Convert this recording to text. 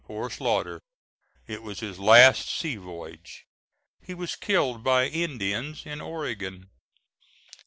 Poor Slaughter! it was his last sea voyage. He was killed by Indians in Oregon.